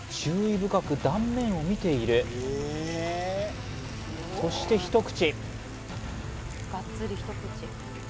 深く断面を見ているそして一口